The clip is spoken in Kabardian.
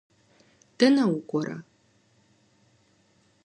Дэнэ укӏуэрэ?